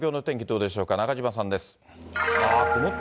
どうでしょうか、中島さんです。